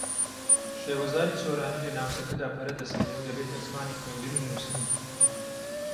شێوەزاری سۆرانی لە ناوچەکەدا پەرە دەستێنێ و دەبێتە زمانی خوێندن و نووسین